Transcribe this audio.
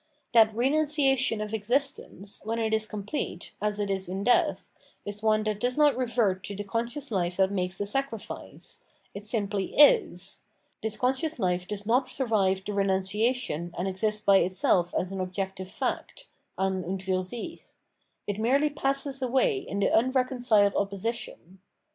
That renunciation of existence, when it is complete, as it is in death, is one that does not revert to the conscious hfe that makes the sacrifice; it simply is: this conscious hfe does not survive the renunciation and exist by itself as an objective fact (a■^^ und fur sicJi), it merely passes away in the unreconciled opposition.